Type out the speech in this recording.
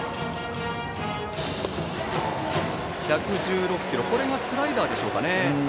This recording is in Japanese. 今の１１６キロのボールがスライダーでしょうか。